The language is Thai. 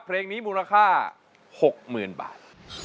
เพลงนี้มูลค่า๖๐๐๐บาท